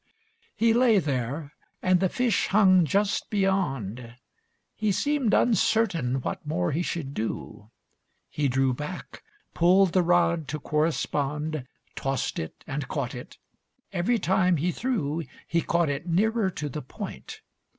IX He lay there, and the fish hung just beyond. He seemed uncertain what more he should do. He drew back, pulled the rod to correspond, Tossed it and caught it; every time he threw, He caught it nearer to the point.